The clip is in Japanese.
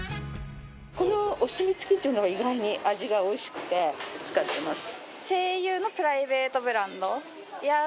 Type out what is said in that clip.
この「お墨付き」っていうのが意外に味がおいしくて使ってます。